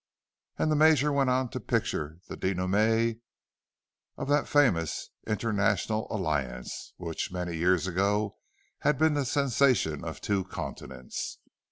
And the Major went on to picture the dénouement of that famous international alliance, which, many years ago, had been the sensation of two continents.